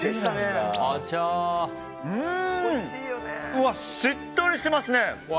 うわ、しっとりしてますね！